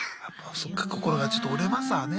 そっか心がちょっと折れますわね。